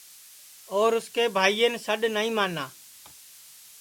اور اُس کے بھائین سڈؔ نائی مانا